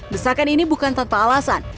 desakan ini bukan tanpa alasan